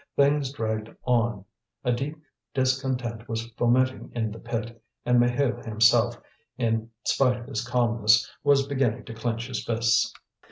Things dragged on; a deep discontent was fomenting in the pit, and Maheu himself, in spite of his calmness, was beginning to clench his fists.